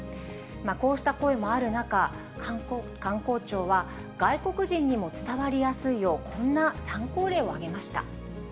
こうした声もある中、観光庁は、外国人にも伝わりやすいよう、こんな参考例を挙げました。